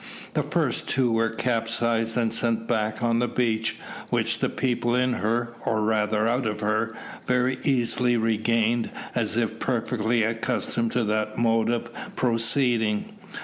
The first two were capsized and sent back on the beach, which the people in her (or rather out of her) very easily regained, as if perfectly accustomed to that mode of proceeding.